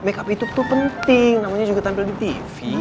make up itu tuh penting namanya juga tampil di tv